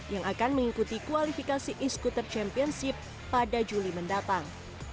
yang akan mengikuti kualifikasi e scooter championship pada juli mendatang